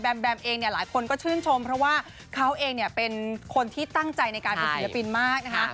แมมเองเนี่ยหลายคนก็ชื่นชมเพราะว่าเขาเองเนี่ยเป็นคนที่ตั้งใจในการเป็นศิลปินมากนะคะ